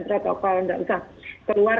protokol nggak usah keluar